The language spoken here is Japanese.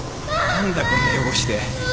・何だこんな汚して